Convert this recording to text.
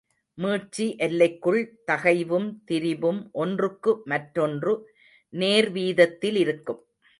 மீட்சி எல்லைக்குள் தகைவும் திரிபும் ஒன்றுக்கு மற்றொன்று நேர்வீதத்திலிருக்கும்.